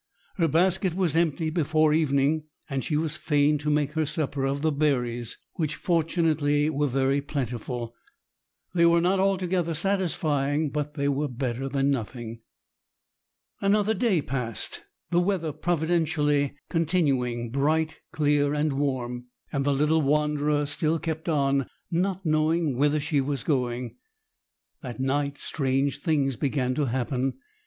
Her basket was empty before evening, and she was fain to make her supper of the berries, which fortunately were very plentiful. They were not altogether satisfying, but they were better than nothing. Another day passed, the weather providentially continuing bright, clear, and warm, and the little wanderer still kept on, not knowing whither she was going. That night strange things began to happen.